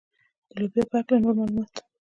د لوبیا په هکله نور معلومات.